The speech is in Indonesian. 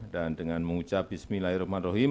dan dengan mengucap bismillahirrahmanirrahim